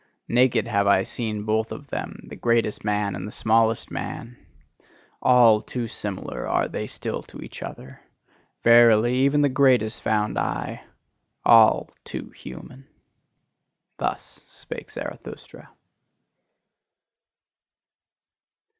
Naked have I seen both of them, the greatest man and the smallest man: All too similar are they still to each other. Verily, even the greatest found I all too human! Thus spake Zarathustra.